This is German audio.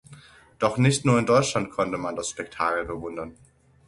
Doch nicht nur in Deutschland konnte man das Spektakel bewundern.